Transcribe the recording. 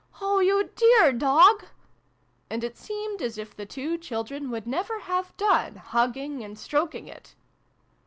" Oh, you dear dog !" And.it seemed as if the two children would never have done hugging and stroking it.